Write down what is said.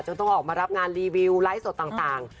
ต้องออกมารับงานรีวิวไลฟ์สดต่าง